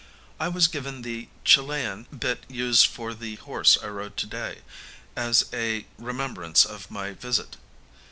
I was given the Chilian bit used for the horse I rode to day, as a remembrance of my visit.